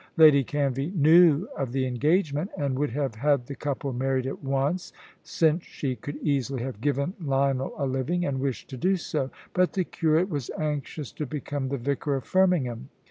Lady Canvey knew of the engagement, and would have had the couple married at once, since she could easily have given Lionel a living, and wished to do so. But the curate was anxious to become the vicar of Firmingham.